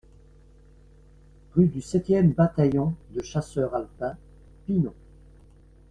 Rue du sept e Bataillon de Chasseurs Alpins, Pinon